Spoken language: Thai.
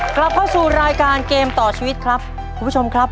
กลับเข้าสู่รายการเกมต่อชีวิตครับคุณผู้ชมครับ